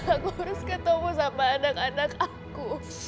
aku harus ketemu sama anak anak aku